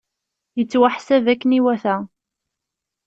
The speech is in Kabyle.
Yettwaḥseb akken iwata!